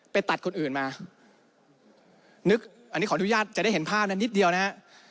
ไปตัดคนอื่นมานึกอันนี้ขออนุญาตจะได้เห็นภาพนั้นนิดเดียวนะฮะ